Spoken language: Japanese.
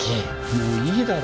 もういいだろ？